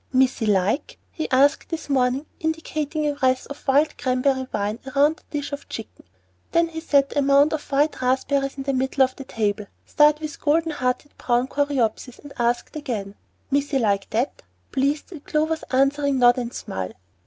"Missie like?" he asked this morning, indicating the wreath of wild cranberry vine round the dish of chicken. Then he set a mound of white raspberries in the middle of the table, starred with gold hearted brown coreopsis, and asked again, "Missie like dat?" pleased at Clover's answering nod and smile.